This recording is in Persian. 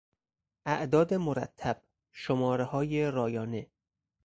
اعداد مرتب، شمارههای رایانه